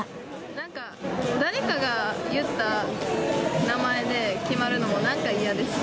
なんか、誰かが言った名前で決まるのもなんか嫌です。